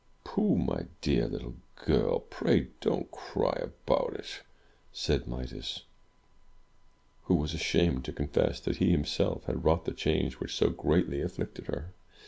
"Poh, my dear little girl — ^pray don't cry about it!" said Midas, who was ashamed to confess that he himself had wrought the change which so greatly afflicted her.